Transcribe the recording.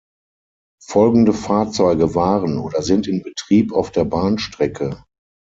Folgende Fahrzeuge waren oder sind in Betrieb auf der Bahnstrecke